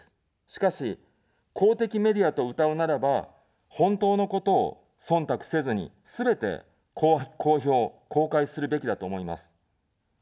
しかし、公的メディアと、うたうならば、本当のことをそんたくせずに、すべて公表、公開するべきだと思います。